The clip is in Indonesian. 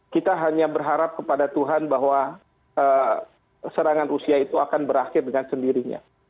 kita hanya berharap kepada tuhan bahwa serangan rusia itu akan berakhir dengan sendirinya